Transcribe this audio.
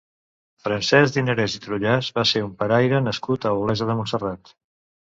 Francesc Dinarès i Trullàs va ser un paraire nascut a Olesa de Montserrat.